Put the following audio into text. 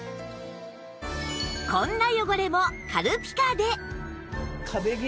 こんな汚れも軽ピカで！